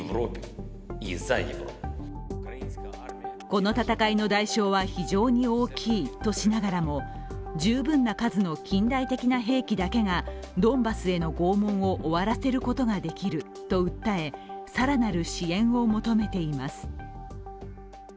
この戦いは非常に大きいとしながらも十分な数の近代的な兵器だけがドンバスへの拷問をドンバスへの拷問を終わらせることができると訴え、更なる支援を求めています。